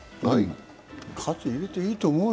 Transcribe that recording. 喝入れていいと思うよ。